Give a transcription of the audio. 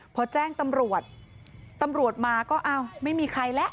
พอแจ้งตำรวจตำรวจมาก็อ้าวไม่มีใครแล้ว